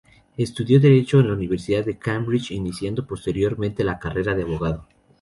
Estudió derecho en la Universidad de Cambridge, iniciando posteriormente la carrera de abogado.